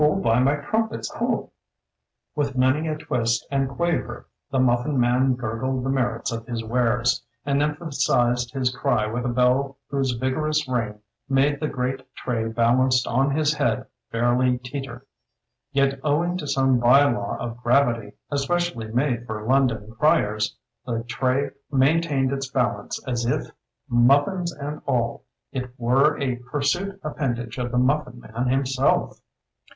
Who'll buy my Crumpets Ho I" With many a twist and quaver the muffin man gurgled the merits of his wares, and emphasized his cry with a bell whose vigorous ring made the great tray balanced on his head fairly teeter. Yet owing to some bylaw of gravity especially made for London criers, the tray maintained its balance as if, muf fins and all, it were a hirsute append age of the muffin man himself.